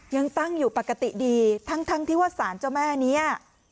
ยังตั้งอยู่ปกติดีทั้งที่ว่าสารเจ้าแม่นี้